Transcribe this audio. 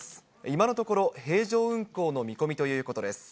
今のところ、平常運航の見込みということです。